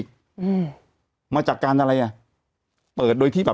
แต่หนูจะเอากับน้องเขามาแต่ว่า